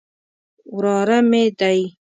وراره مې دی.